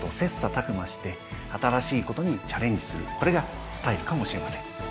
これがスタイルかもしれません。